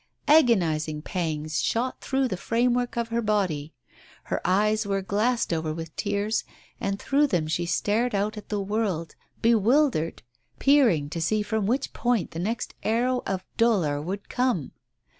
Agoniz ing pangs shot through the framework of her body. Her eyes were glassed over with tears, and through them she stared out on the world, bewildered, peering to see from which point the next arrow of dolour would fell